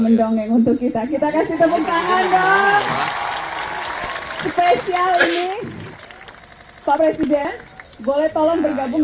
mendongeng untuk kita kita kasih tepuk tangan dong spesial pak presiden boleh tolong bergabung